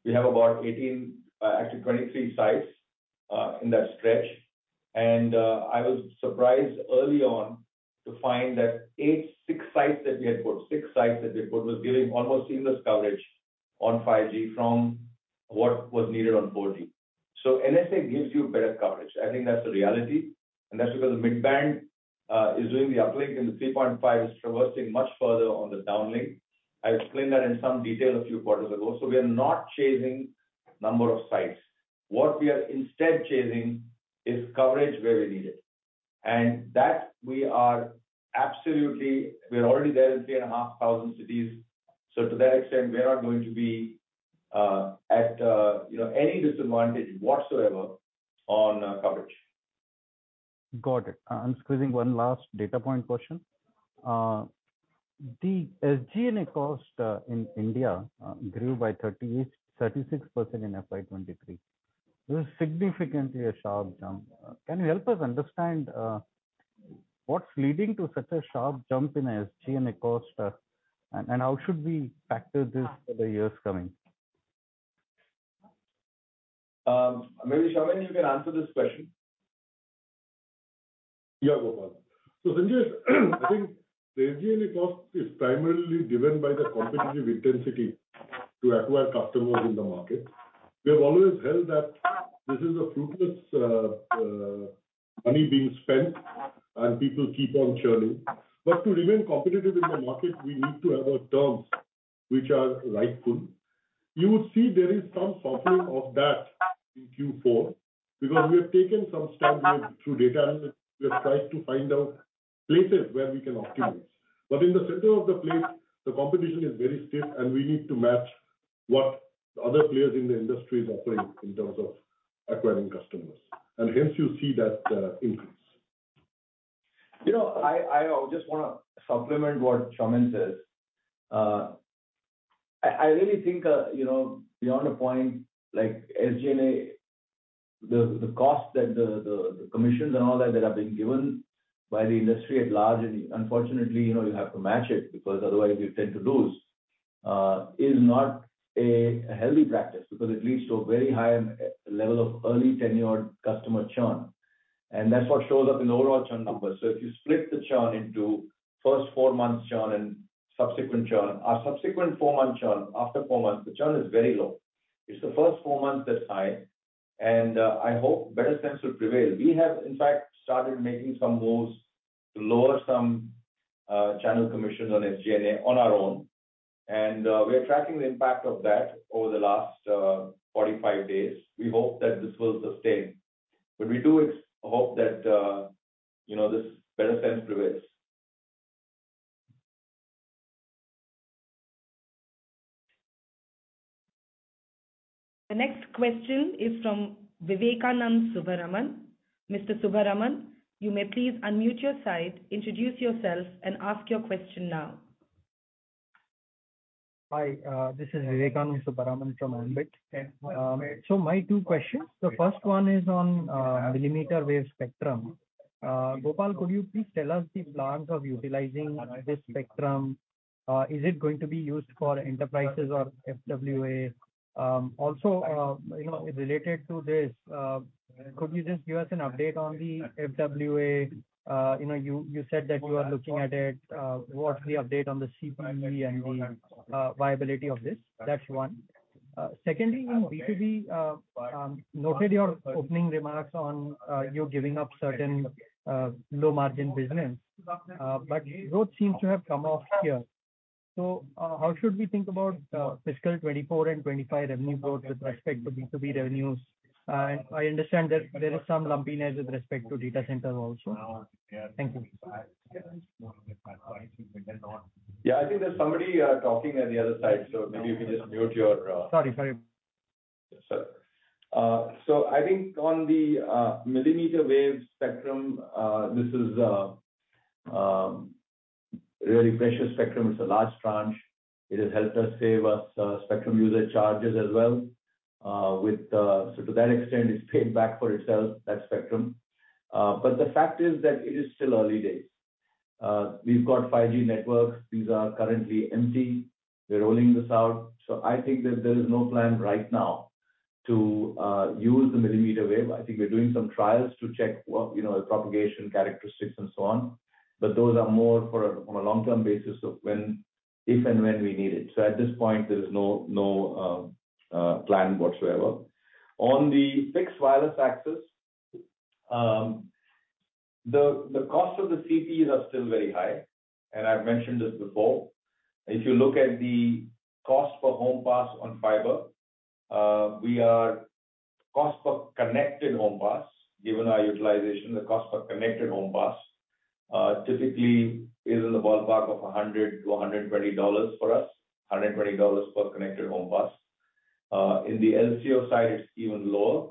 B: we have about 18, actually 23 sites in that stretch. I was surprised early on to find that 6 sites that we had put was giving almost seamless coverage on 5G from what was needed on 4G. NSA gives you better coverage. I think that's the reality, and that's because the midband is doing the uplink and the 3.5 is traversing much further on the downlink. I explained that in some detail a few quarters ago. We are not chasing number of sites. What we are instead chasing is coverage where we need it. That we are absolutely, we are already there in 3,500 cities. To that extent, we are not going to be at, you know, any disadvantage whatsoever on coverage.
E: Got it. I'm squeezing one last data point question. The SG&A cost in India grew by 36% in FY 2023. This is significantly a sharp jump. Can you help us understand what's leading to such a sharp jump in SG&A cost, and how should we factor this for the years coming?
B: Maybe, Soumen, you can answer this question.
F: Gopal. Sanjesh, I think the SG&A cost is primarily driven by the competitive intensity to acquire customers in the market. We have always held that this is a fruitless money being spent and people keep on churning. To remain competitive in the market, we need to have our terms which are rightful. You would see there is some softening of that in Q4 because we have taken some steps through data analytics. We have tried to find out places where we can optimize. In the center of the plate, the competition is very stiff, and we need to match what other players in the industry is offering in terms of acquiring customers. Hence you see that increase.
B: You know, I just wanna supplement what Soumen says. I really think, you know, beyond a point, like SG&A, the cost that the commissions and all that that are being given by the industry at large, unfortunately, you know, you have to match it because otherwise you tend to lose, is not a healthy practice because it leads to a very high level of early tenured customer churn. That's what shows up in overall churn numbers. If you split the churn into first four months churn and subsequent churn, our subsequent four-month churn, after four months, the churn is very low. It's the first four months that's high. I hope better sense will prevail. We have, in fact, started making some moves to lower some channel commissions on SG&A on our own. We are tracking the impact of that over the last, 45 days. We hope that this will sustain. We do hope that, you know, this better sense prevails.
A: The next question is from Vivekanand Subbaraman. Mr. Subbaraman, you may please unmute your side, introduce yourself and ask your question now.
G: Hi, this is Vivekanand Subbaraman from Ambit. My two questions. The first one is on millimeter wave spectrum. Gopal, could you please tell us the plans of utilizing this spectrum? Is it going to be used for enterprises or FWA? Also, you know, related to this, could you just give us an update on the FWA? You know, you said that you are looking at it. What's the update on the CPE and the viability of this? That's one. Secondly, on B2B, noted your opening remarks on you giving up certain low margin business. Growth seems to have come off here. How should we think about fiscal 2024 and 2025 revenue growth with respect to B2B revenues? I understand that there is some lumpiness with respect to data centers also. Thank you.
B: Yeah, I think there's somebody talking on the other side, so maybe if you just mute your.
G: Sorry, sorry.
B: Yes, sir. I think on the millimeter wave spectrum, this is really precious spectrum. It's a large tranche. It has helped us save us spectrum user charges as well. To that extent, it's paid back for itself, that spectrum. The fact is that it is still early days. We've got 5G networks. These are currently empty. We're rolling this out. I think that there is no plan right now to use the millimeter wave. I think we're doing some trials to check what, you know, the propagation characteristics and so on. Those are more on a long-term basis of when, if and when we need it. At this point, there is no plan whatsoever. On the fixed wireless access, the cost of the CPEs are still very high, and I've mentioned this before. If you look at the cost per home pass on fiber, Cost per connected home pass, given our utilization, the cost per connected home pass typically is in the ballpark of $100-$120 for us. $120 per connected home pass. In the LCO side, it's even lower.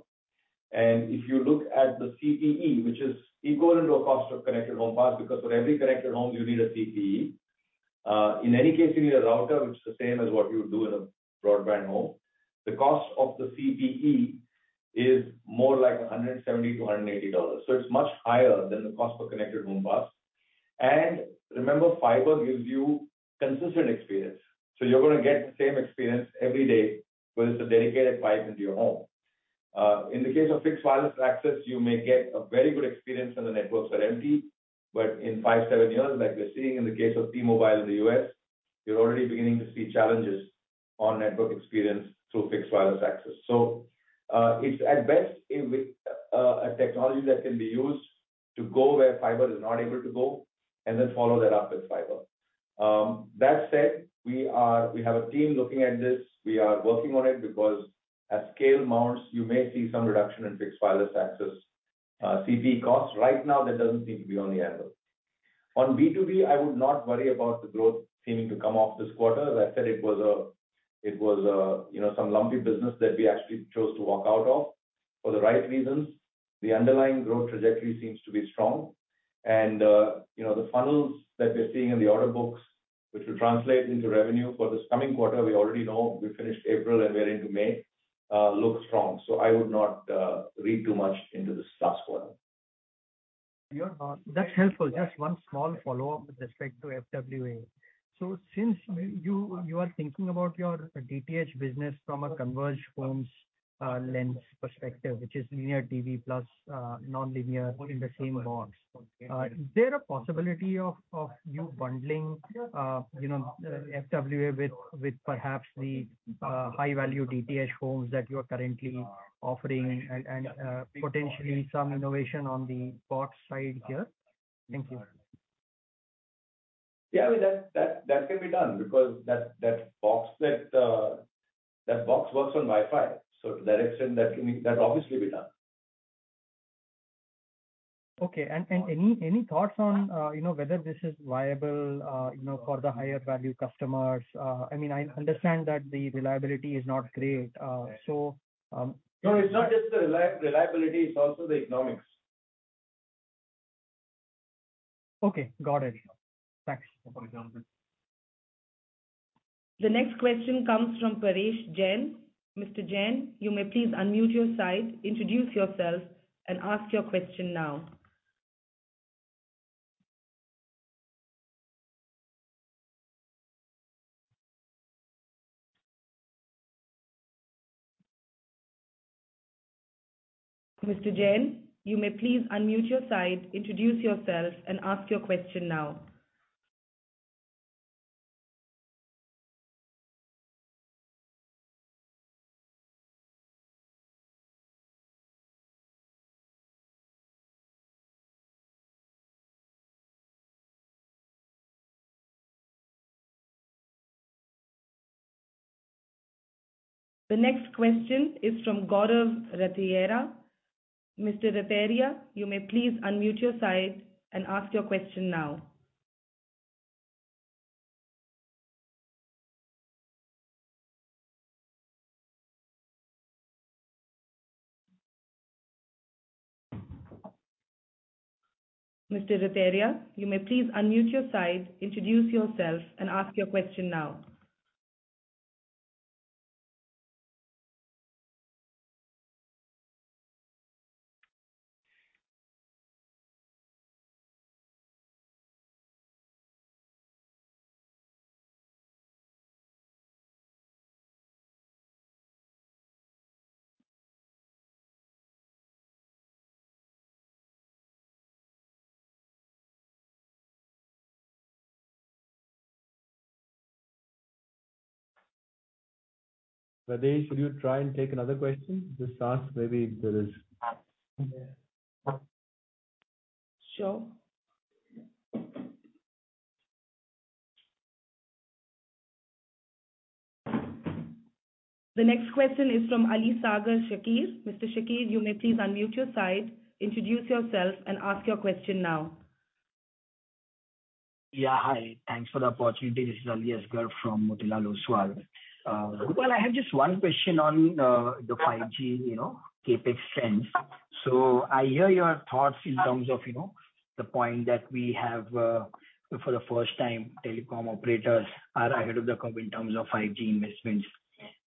B: If you look at the CPE, which is equivalent to a cost of connected home pass, because for every connected home, you need a CPE. In any case, you need a router, which is the same as what you would do in a broadband home. The cost of the CPE is more like $170-$180. It's much higher than the cost per connected home pass. Remember, fiber gives you consistent experience, so you're gonna get the same experience every day, but it's a dedicated pipe into your home. In the case of fixed wireless access, you may get a very good experience when the networks are empty. In five, seven years, like we're seeing in the case of T-Mobile in the U.S., you're already beginning to see challenges on network experience through fixed wireless access. It's at best a technology that can be used to go where fiber is not able to go and then follow that up with fiber. That said, we have a team looking at this. We are working on it because as scale mounts, you may see some reduction in fixed wireless access, CPE costs. Right now, that doesn't seem to be on the anvil. On B2B, I would not worry about the growth seeming to come off this quarter. As I said, it was a, you know, some lumpy business that we actually chose to walk out of for the right reasons. The underlying growth trajectory seems to be strong. You know, the funnels that we're seeing in the order books, which will translate into revenue for this coming quarter, we already know. We finished April, and we're into May, look strong. I would not, read too much into this last quarter.
G: That's helpful. Just one small follow-up with respect to FWA. Since you are thinking about your DTH business from a converged homes lens perspective, which is linear TV plus non-linear in the same box, is there a possibility of you bundling, you know, FWA with perhaps the high-value DTH homes that you are currently offering and potentially some innovation on the box side here? Thank you.
B: Yeah. I mean, that can be done because that box works on Wi-Fi. To that extent, That'll obviously be done.
G: Okay. Any thoughts on, you know, whether this is viable, you know, for the higher value customers? I mean, I understand that the reliability is not great, so,
B: No, it's not just the reliability, it's also the economics.
G: Okay. Got it. Thanks.
A: The next question comes from Paresh Jain. Mr. Jain, you may please unmute your side, introduce yourself, and ask your question now. The next question is from Gaurav Rateria. Mr. Rateria, you may please unmute your side and ask your question now. Mr. Rateria, you may please unmute your side, introduce yourself, and ask your question now.
B: Vaidehi, should you try and take another question? Ask maybe if there is.
A: Sure. The next question is from Aliasgar Shakir. Mr. Shakir, you may please unmute your side, introduce yourself and ask your question now.
H: Yeah. Hi. Thanks for the opportunity. This is Aliasgar from Motilal Oswal. Gopal, I have just one question on the 5G, you know, CapEx sense. I hear your thoughts in terms of, you know, the point that we have for the first time, telecom operators are ahead of the curve in terms of 5G investments.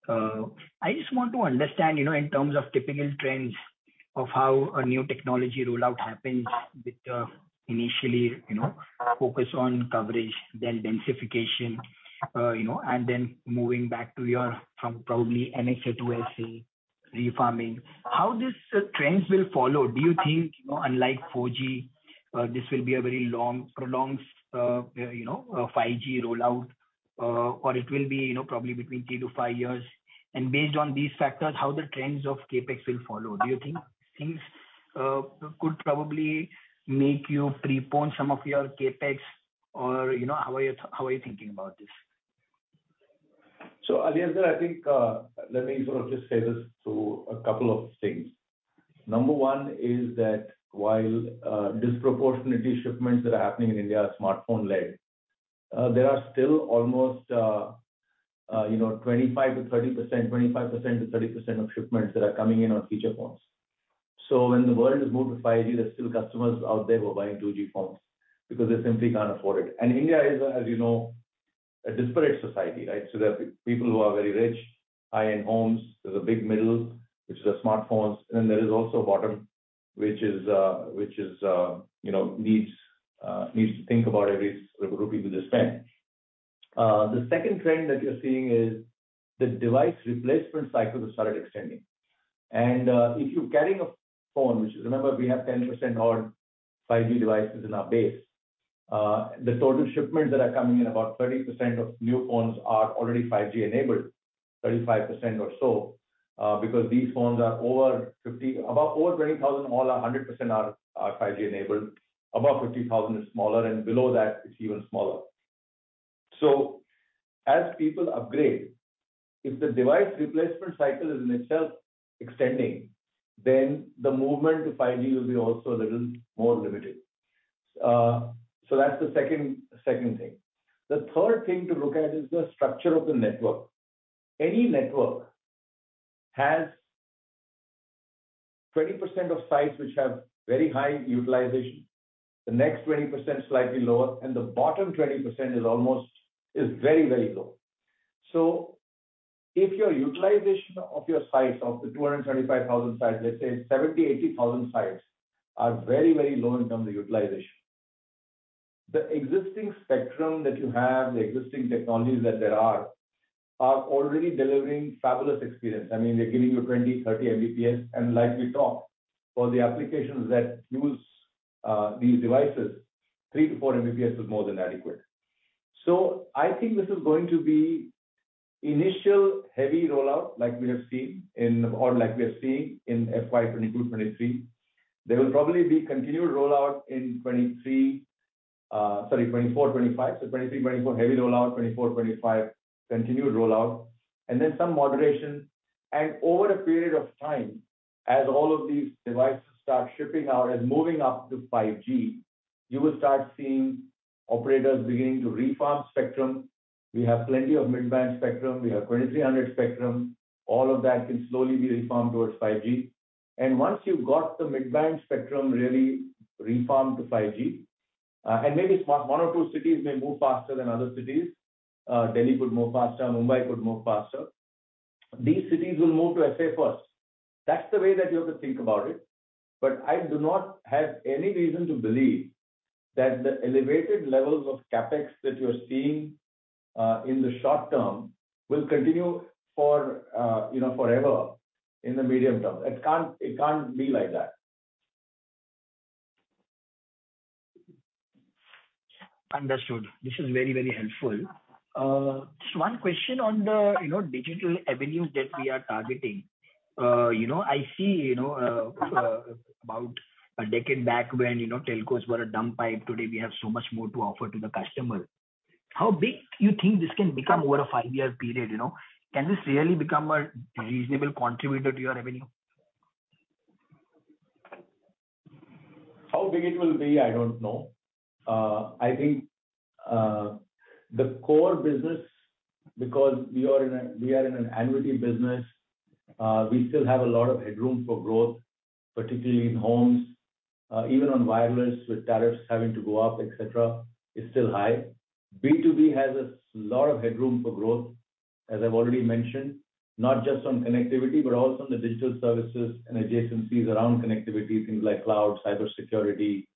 H: I just want to understand, you know, in terms of typical trends of how a new technology rollout happens with initially, you know, focus on coverage, then densification, you know, and then moving back to your from probably NSA to SA, refarming, how these trends will follow. Do you think, you know, unlike 4G, this will be a very long, prolonged, you know, 5G rollout, or it will be, you know, probably between three to five years. Based on these factors, how the trends of CapEx will follow. Do you think things could probably make you prepone some of your CapEx or, you know, how are you thinking about this?
B: Aliasgar, I think, let me sort of just say this to a couple of things. Number one is that while disproportionately shipments that are happening in India are smartphone-led, there are still almost, you know, 25%-30% of shipments that are coming in on feature phones. When the world has moved to 5G, there are still customers out there who are buying 2G phones because they simply can't afford it. India is, as you know, a disparate society, right? There are people who are very rich, high-end homes. There's a big middle, which is the smartphones. There is also a bottom, which is, you know, needs to think about every rupee they spend. The second trend that you're seeing is the device replacement cycles have started extending. If you're carrying a phone, which remember we have 10% odd 5G devices in our base, the total shipments that are coming in, about 30% of new phones are already 5G enabled, 35% or so. Because these phones are over 20,000, all are 100% 5G enabled. Above 50,000 is smaller, and below that it's even smaller. As people upgrade, if the device replacement cycle is in itself extending, then the movement to 5G will be also a little more limited. That's the second thing. The third thing to look at is the structure of the network. Any network has 20% of sites which have very high utilization, the next 20% slightly lower, and the bottom 20% is almost very, very low. If your utilization of your sites, of the 235,000 sites, let's say 70,000-80,000 sites are very, very low in terms of utilization. The existing spectrum that you have, the existing technologies that there are already delivering fabulous experience. I mean, they're giving you 20 Mbps-30 Mbps and likely talk. For the applications that use these devices, 3 Mbps-4 Mbps is more than adequate. I think this is going to be initial heavy rollout like we have seen in or like we are seeing in FY 2022-2023. There will probably be continued rollout in 2023, sorry, 2024-2025. 2023-2024, heavy rollout. 24, 25, continued rollout, and then some moderation. Over a period of time, as all of these devices start shipping out and moving up to 5G, you will start seeing operators beginning to refarm spectrum. We have plenty of mid-band spectrum. We have 2300 spectrum. All of that can slowly be refarmed towards 5G. Once you've got the mid-band spectrum really refarmed to 5G, and maybe one or two cities may move faster than other cities, Delhi could move faster, Mumbai could move faster. These cities will move to SA first. That's the way that you have to think about it. I do not have any reason to believe that the elevated levels of CapEx that you're seeing in the short term will continue for, you know, forever in the medium term. It can't be like that.
H: Understood. This is very, very helpful. Just one question on the, you know, digital avenues that we are targeting. You know, I see, you know, about a decade back when, you know, telcos were a dumb pipe. Today, we have so much more to offer to the customer. How big you think this can become over a five-year period, you know? Can this really become a reasonable contributor to your revenue?
B: How big it will be, I don't know. I think the core business, because we are in an annuity business, we still have a lot of headroom for growth, particularly in homes, even on wireless with tariffs having to go up, et cetera, is still high. B2B has a lot of headroom for growth, as I've already mentioned, not just on connectivity, but also on the digital services and adjacencies around connectivity, things like cloud, cybersecurity,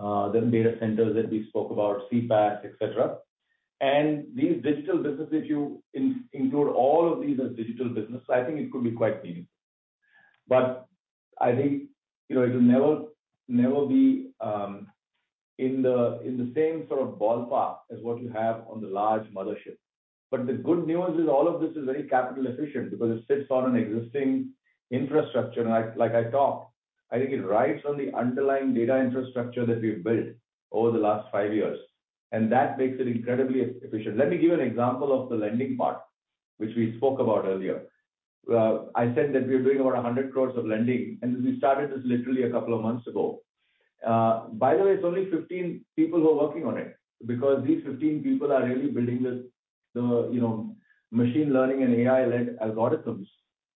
B: IoT, then data centers that we spoke about, CPaaS, et cetera. These digital businesses, if you include all of these as digital business, I think it could be quite meaningful. I think, you know, it will never be in the same sort of ballpark as what you have on the large mothership. The good news is all of this is very capital efficient because it sits on an existing infrastructure. Like I talked, I think it rides on the underlying data infrastructure that we've built over the last five years, and that makes it incredibly efficient. Let me give you an example of the lending part, which we spoke about earlier. I said that we are doing over 100 crores of lending, and we started this literally a couple of months ago. By the way, it's only 15 people who are working on it because these 15 people are really building this, you know, machine learning and AI-led algorithms,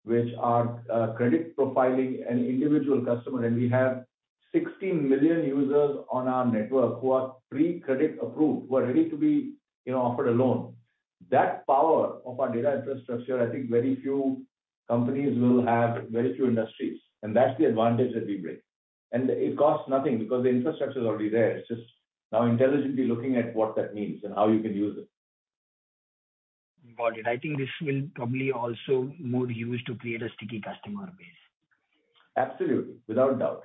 B: which are credit profiling an individual customer. We have 16 million users on our network who are pre-credit approved, who are ready to be, you know, offered a loan. That power of our data infrastructure, I think very few companies will have, very few industries, and that's the advantage that we bring. It costs nothing because the infrastructure is already there. It's just now intelligently looking at what that means and how you can use it.
H: Got it. I think this will probably also more be used to create a sticky customer base.
B: Absolutely. Without a doubt.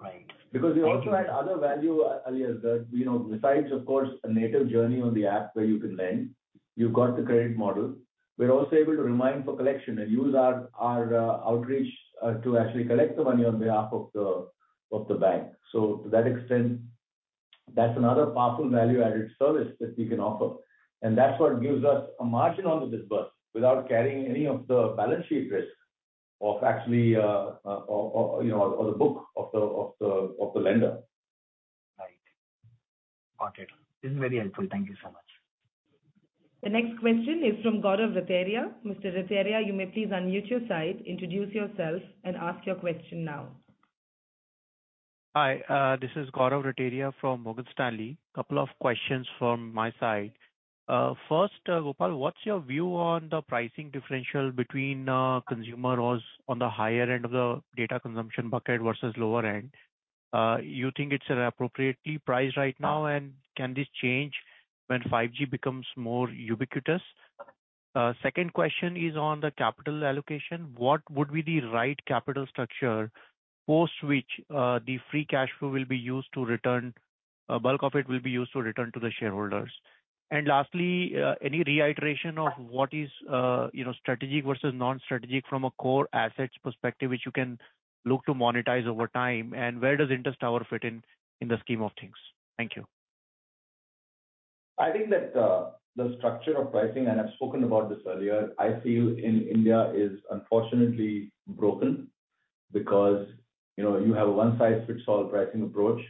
H: Right. Thank you.
B: Because we also had other value earlier that, you know, besides of course a native journey on the app where you can lend, you've got the credit model. We're also able to remind for collection and use our outreach to actually collect the money on behalf of the bank. To that extent, that's another powerful value-added service that we can offer. That's what gives us a margin on the disbursement without carrying any of the balance sheet risk of actually, you know, or the book of the lender.
H: Right. Got it. This is very helpful. Thank you so much.
A: The next question is from Gaurav Rateria. Mr. Rateria, you may please unmute your side, introduce yourself and ask your question now.
I: Hi, this is Gaurav Rateria from Morgan Stanley. Two questions from my side. First, Gopal, what's your view on the pricing differential between consumer who was on the higher end of the data consumption bucket versus lower end? You think it's appropriately priced right now? Can this change when 5G becomes more ubiquitous? Second question is on the capital allocation. What would be the right capital structure post which the free cash flow will be used to return, bulk of it will be used to return to the shareholders? Lastly, any reiteration of what is, you know, strategic versus non-strategic from a core assets perspective, which you can look to monetize over time? Where does Indus Towers fit in the scheme of things? Thank you.
B: I think that the structure of pricing, and I've spoken about this earlier, I feel in India is unfortunately broken because, you know, you have a one size fits all pricing approach.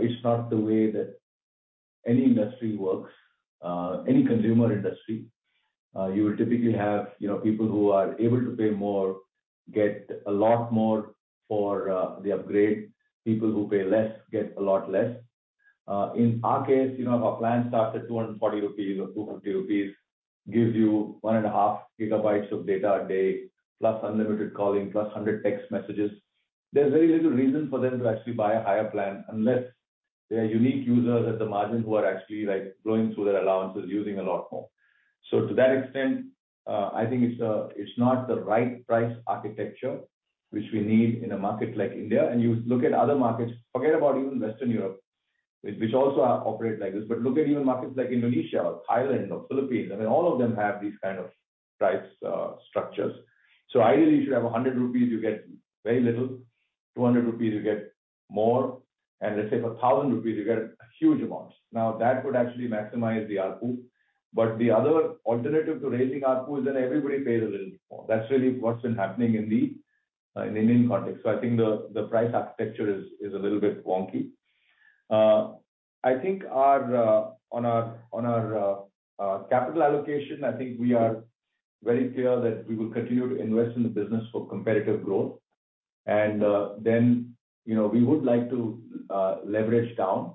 B: It's not the way that any industry works. Any consumer industry, you will typically have, you know, people who are able to pay more, get a lot more for the upgrade. People who pay less get a lot less. In our case, you know, if our plan starts at 240 rupees or 200 rupees, gives you 1.5 GB of data a day, plus unlimited calling, plus 100 text messages. There's very little reason for them to actually buy a higher plan unless they are unique users at the margin who are actually, like, going through their allowances using a lot more. To that extent, I think it's not the right price architecture which we need in a market like India. You look at other markets, forget about even Western Europe, which also operate like this, but look at even markets like Indonesia or Thailand or Philippines. I mean, all of them have these kind of price structures. Ideally you should have 100 rupees, you get very little. 200 rupees, you get more. Let's say for 1,000 rupees you get huge amounts. That would actually maximize the ARPU. The other alternative to raising ARPU is then everybody pays a little bit more. That's really what's been happening in the Indian context. I think the price architecture is a little bit wonky. I think our on our on our capital allocation, I think we are very clear that we will continue to invest in the business for competitive growth. Then, you know, we would like to leverage down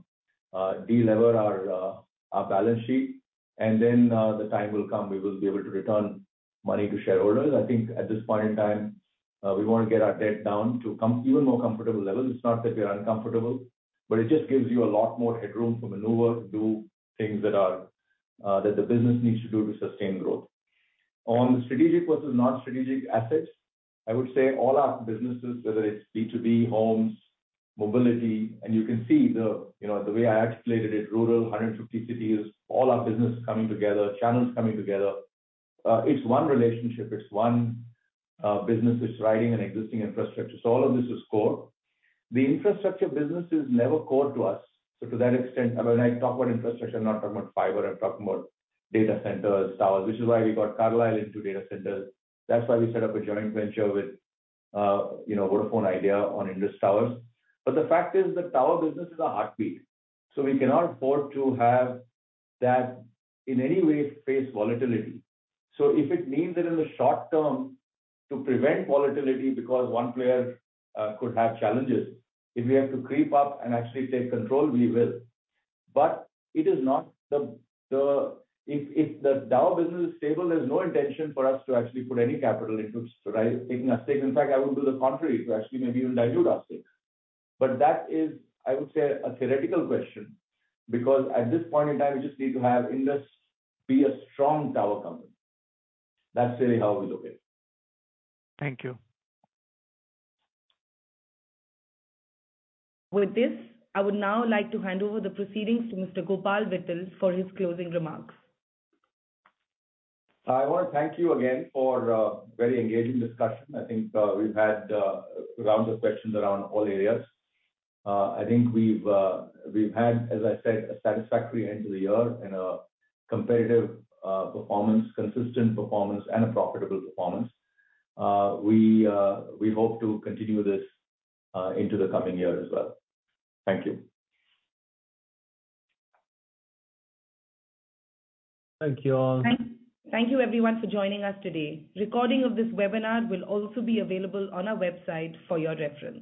B: de-lever our balance sheet. Then, the time will come, we will be able to return money to shareholders. I think at this point in time, we wanna get our debt down to even more comfortable levels. It's not that we are uncomfortable, but it just gives you a lot more headroom for maneuver to do things that are, that the business needs to do to sustain growth. On the strategic versus non-strategic assets, I would say all our businesses, whether it's B2B, homes, mobility, and you can see the, you know, the way I articulated it, rural, 150 cities, all our businesses coming together, channels coming together. It's one relationship, it's one business which is riding an existing infrastructure. All of this is core. The infrastructure business is never core to us. To that extent, I mean, when I talk about infrastructure, I'm not talking about fiber, I'm talking about data centers, towers, which is why we got Carlyle into data centers. That's why we set up a joint venture with, you know, Vodafone Idea on Indus Towers. The fact is that tower business is our heartbeat, so we cannot afford to have that in any way face volatility. If it means that in the short term to prevent volatility because one player could have challenges, if we have to creep up and actually take control, we will. If the tower business is stable, there's no intention for us to actually put any capital into, to rise, taking a stake. In fact, I would do the contrary to actually maybe even dilute our stake. That is, I would say, a theoretical question because at this point in time we just need to have Indus be a strong tower company. That's really how we look at it.
I: Thank you.
A: With this, I would now like to hand over the proceedings to Mr. Gopal Vittal for his closing remarks.
B: I wanna thank you again for a very engaging discussion. I think we've had a round of questions around all areas. I think we've had, as I said, a satisfactory end to the year and a competitive performance, consistent performance, and a profitable performance. We hope to continue this into the coming year as well. Thank you.
F: Thank you all.
A: Thank you everyone for joining us today. Recording of this webinar will also be available on our website for your reference.